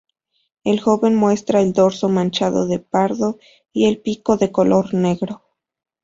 El joven muestra el dorso manchado de pardo, y el pico de color negro.